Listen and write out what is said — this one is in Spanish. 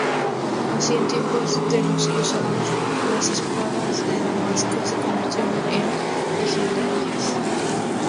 Así, en tiempos de los cruzados, las espadas de Damasco se convirtieron en legendarias.